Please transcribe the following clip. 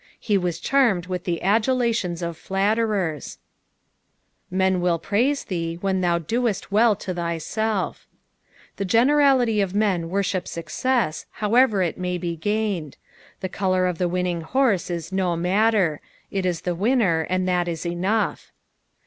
He was charmed with the adulations of flatterers. "Jfen ui7I praise thee, when tAou doat well to thyself." The generality of men worship success, however it may be gained. Tlie colour of the winning horse is no matter ; it is the winner, and that is enough.